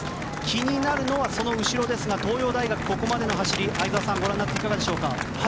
気になるのはその後ろですが東洋大学、ここまでの走り相澤さん、ご覧になっていかがでしょうか。